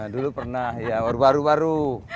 dulu pernah ya baru baru